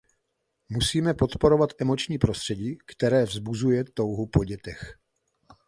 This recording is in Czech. Musíme podporovat emoční prostředí, které vzbuzuje touhu po dětech.